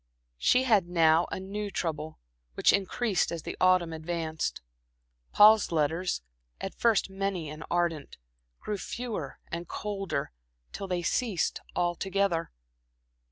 She had now a new trouble, which increased as the autumn advanced. Paul's letters, at first many and ardent, grew fewer and colder, till they ceased altogether.